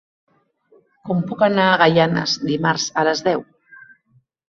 Com puc anar a Gaianes dimarts a les deu?